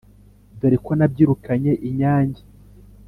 Dore ko nabyirukanye inyange